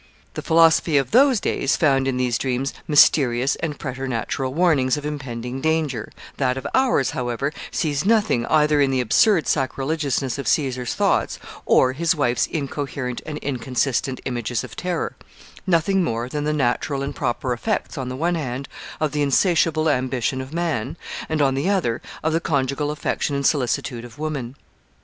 The philosophy of those days found in these dreams mysterious and preternatural warnings of impending danger; that of ours, however, sees nothing either in the absurd sacrilegiousness of Caesar's thoughts, or his wife's incoherent and inconsistent images of terror nothing more than the natural and proper effects, on the one hand, of the insatiable ambition of man, and, on the other, of the conjugal affection and solicitude of woman.